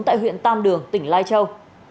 tại huyện tam đường tỉnh lai châu